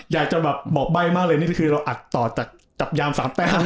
อยากจะแบบบอกใบ้มากเลยนี่คือเราอัดต่อจากจับยาม๓แต้ม